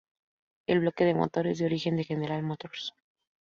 El bloque de motor, es de origen de General Motors.